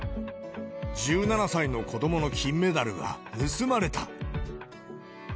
１７歳の子どもの金メダルが盗まれた。